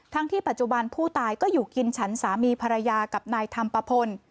ที่ปัจจุบันผู้ตายก็อยู่กินฉันสามีภรรยากับนายธรรมปะพล